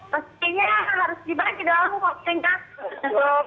pastinya harus dibagi dong kalau tingkat